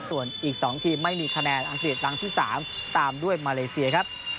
ส่วนอีก๒ทีมไม่มีคะแนนอังกฤษรังที่๓ตามด้วยมาเลเซียครับ